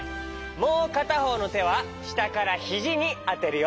もうかたほうのてはしたからひじにあてるよ。